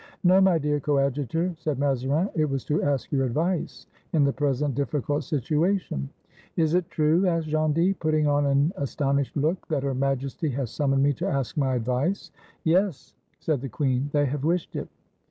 "No, my dear Coadjutor," said Mazarin, "it was to ask your advice in the present difficult situation." "Is it true," asked Gondy, putting on an astonished look, "that Her Majesty has summoned me to ask my advice?" "Yes," said the queen. "They have wished it."